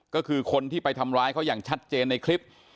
ก็คือคนที่ไปทำร้ายเขาอย่างชัดเจนในคลิป